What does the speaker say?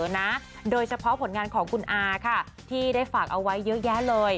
หน้างานของคุณอาค่ะที่ได้ฝากเอาไว้เยอะแยะเลย